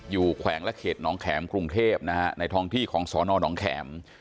อยู่แขวงละเขตน้องแขมกรุงเทพฯในทองที่ของสอนอนน้องแขม